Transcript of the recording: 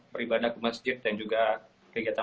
beribadah ke masjid dan juga kegiatan